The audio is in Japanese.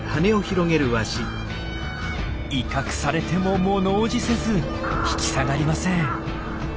威嚇されても物おじせず引き下がりません。